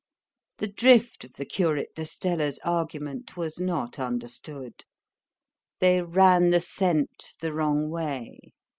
The drift of the curate d'Estella's argument was not understood.—They ran the scent the wrong way.